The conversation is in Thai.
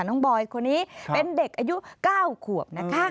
บอยคนนี้เป็นเด็กอายุ๙ขวบนะคะ